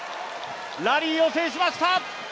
ラリーを制しました！